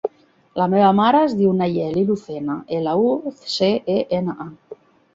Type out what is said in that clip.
La meva mare es diu Nayeli Lucena: ela, u, ce, e, ena, a.